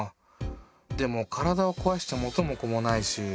でも体をこわしちゃ元も子もないし。